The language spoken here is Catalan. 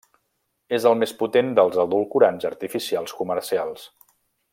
És el més potent dels edulcorants artificials comercials.